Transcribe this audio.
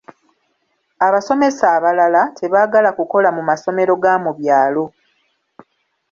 Abasomesa abalala tebaagala kukola mu masomero ga mu byalo.